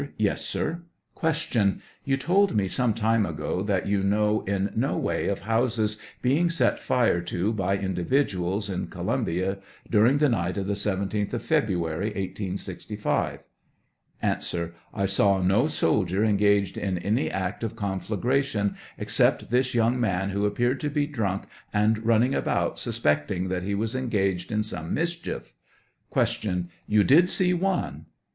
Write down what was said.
Yes, sir. Q. You told me some time ago that you know in no way of houses being set fire to by individuals in Co iunabia during the night of the 17th of February, 1865 ? A. I saw no soldier engaged in any act of conflagra tion except this young man who appeared to be drunk and running about , suspecting that he was engaged in some mischief— 7 Q. You did see one